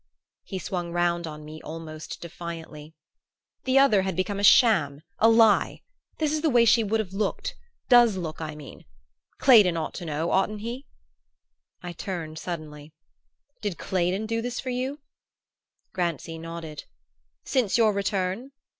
He swung round on me almost defiantly. "The other had become a sham, a lie! This is the way she would have looked does look, I mean. Claydon ought to know, oughtn't he?" I turned suddenly. "Did Claydon do this for you?" Grancy nodded. "Since your return?"